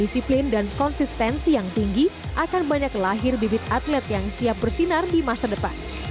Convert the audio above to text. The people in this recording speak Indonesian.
disiplin dan konsistensi yang tinggi akan banyak lahir bibit atlet yang siap bersinar di masa depan